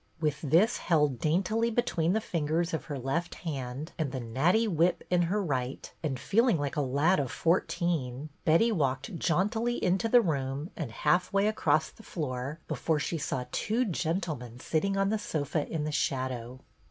With this held daintily between the fingers of her left hand and the natty whip in her right, and feeling like a lad of fourteen, Betty walked jauntily into the room and half way across the floor before she saw two gentlemen sitting on the sofa in the shadow.